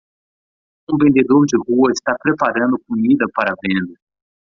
Um vendedor de rua está preparando comida para venda.